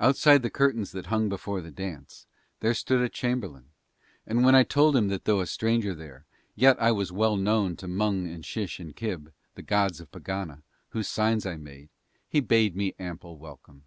Outside the curtains that hung before the dance there stood a chamberlain and when I told him that though a stranger there, yet I was well known to Mung and Sish and Kib, the gods of Pegana, whose signs I made, he bade me ample welcome.